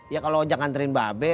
ya kalau ojek anterin babi